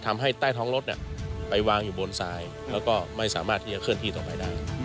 ทำให้ใต้ท้องรถไปวางอยู่บนทรายแล้วก็ไม่สามารถที่จะเคลื่อนที่ต่อไปได้